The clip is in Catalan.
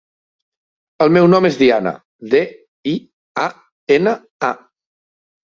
El meu nom és Diana: de, i, a, ena, a.